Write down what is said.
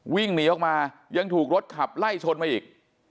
วิ่งหนีออกมายังถูกรถขับไล่ชนมาอีก